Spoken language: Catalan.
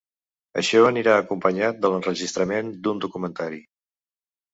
Això anirà acompanyat de l’enregistrament d’un documentari.